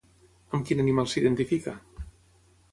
Amb quin animal s'identifica?